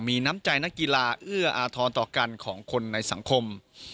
มีน้ำใจนักกีฬาเอื้ออาทรต่อกันของคนในสังคม